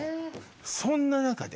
そんな中で。